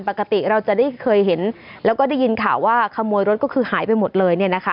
ปกติเราจะได้เคยเห็นแล้วก็ได้ยินข่าวว่าขโมยรถก็คือหายไปหมดเลยเนี่ยนะคะ